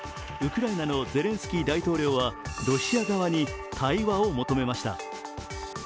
ウクライナのゼレンスキー大統領はロシア側に対話を求めました。